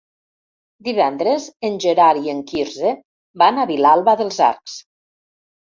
Divendres en Gerard i en Quirze van a Vilalba dels Arcs.